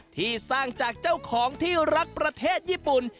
ที่สร้างจากเจ้าของที่รักประเทศญี่ปุ่น